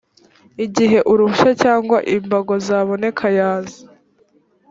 igihe uruhushya cyangwa imbago zaboneka yaza